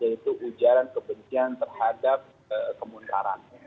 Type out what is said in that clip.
yaitu ujaran kebencian terhadap kemungkaran